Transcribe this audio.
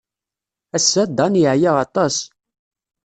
Ass-a, Dan yeɛya aṭas.